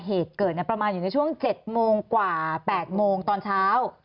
เหตุเกิดประมาณอยู่ในช่วง๗โมงกว่า๘โมงตอนเช้า